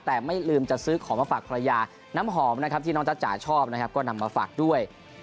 แต่ไม่ลืมจะซื้อของมาฝากภรรยาน้ำหอมนะครับที่น้องจ๊ะจ๋าชอบนะครับก็นำมาฝากด้วย